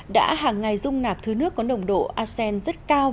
đã hàng ngày dung nạp thứ nước có nồng độ asean rất cao